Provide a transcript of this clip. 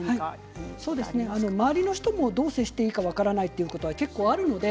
周りの人もどう接していいか分からないということ結構あるんですね。